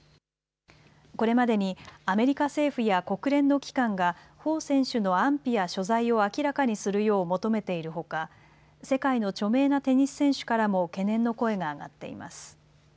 これまでにアメリカ政府や国連の機関が彭選手の安否や所在を明らかにするよう求めているほか世界の著名なテニス選手からも懸念の声が上がっています。